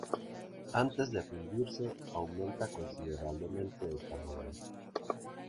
Antes de fundirse aumenta considerablemente de tamaño.